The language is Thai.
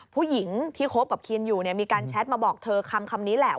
ผู้หญิงที่คบกับคินอยู่มีการแชทมาบอกเธอคำนี้แหละ